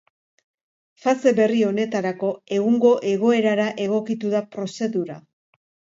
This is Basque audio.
Fase berri honetarako, egungo egoerara egokitu da prozedura.